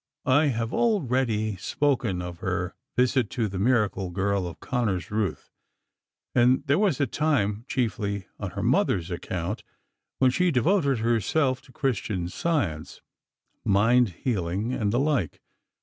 I have already spoken of her visit to the Miracle Girl of Konnersreuth, and there was a time, chiefly on her mother's account, when she devoted herself to Christian Science,—mind healing, and the like.